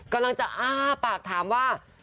กำลังจะอ้าปากถามว่า